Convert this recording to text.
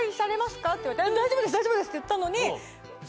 大丈夫です大丈夫です！って言ったのに。